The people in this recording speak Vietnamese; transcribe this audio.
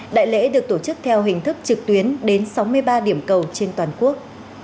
đại lễ được tổ chức theo hình thức trực tuyến đến sáu mươi ba điểm cầu trên toàn quốc